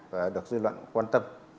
và được dư luận quan tâm